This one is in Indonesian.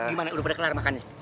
gimana udah pada kelar makannya